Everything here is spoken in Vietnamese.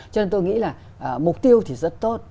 cho nên tôi nghĩ là mục tiêu thì rất tốt